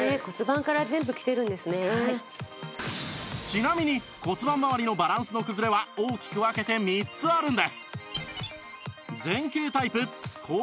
ちなみに骨盤まわりのバランスの崩れは大きく分けて３つあるんです